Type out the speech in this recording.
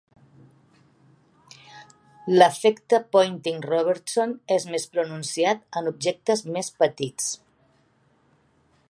L'efecte Poynting-Robertson és més pronunciat en objectes més petits.